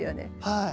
はい。